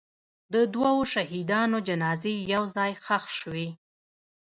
د دوو شهیدانو جنازې یو ځای ښخ شوې.